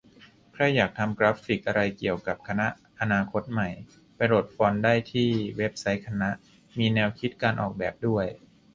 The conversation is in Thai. ใครอยากทำกราฟิก ทำอะไรเกี่ยวกับ คณะอนาคตใหม่ ไปโหลดฟอนต์ได้ที่เว็บไซต์คณะ มีแนวคิดการออกแบบด้วย